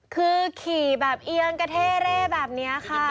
คือขี่แบบเอียงกระเท่เร่แบบนี้ค่ะ